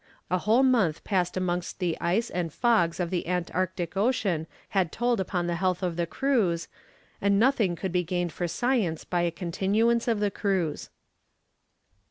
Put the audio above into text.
A whole month passed amongst the ice and fogs of the Antarctic Ocean had told upon the health of the crews, and nothing could be gained for science by a continuance of the cruise.